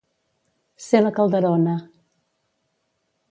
Ser la Calderona.